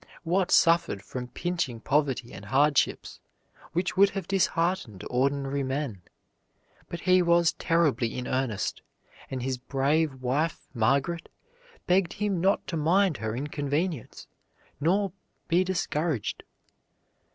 Watt suffered from pinching poverty and hardships which would have disheartened ordinary men; but he was terribly in earnest, and his brave wife Margaret begged him not to mind her inconvenience, nor be discouraged.